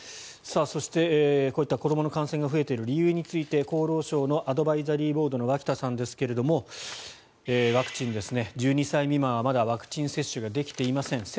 そして、こういった子どもの感染が増えている理由について厚労省のアドバイザリーボードの脇田さんですが１２歳未満はまだワクチン接種ができていません。